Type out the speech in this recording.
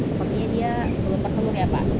sepertinya dia belum terselur ya pak